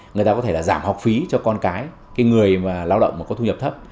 người ta có thể giảm học phí cho con cái người lao động có thu nhập thấp